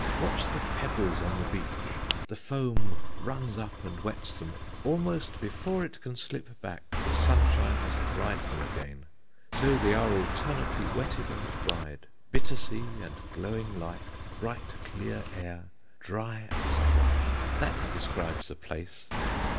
Watch the pebbles on the beach; the foam runs up and wets them, almost before it can slip back, the sunshine has dried them again. So they are alternately wetted and dried. Bitter sea and glowing light, bright clear air, dry as dry that describes the place.